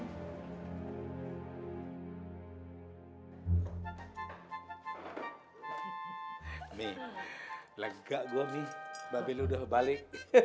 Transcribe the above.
umi lega gue nih mbak beli udah balik